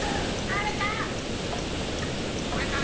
あれか？